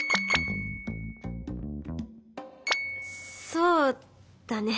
「そうだね」。